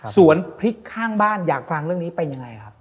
พริกข้างบ้านอยากฟังเรื่องนี้เป็นยังไงครับ